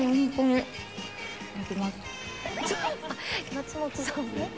「松本さんも？」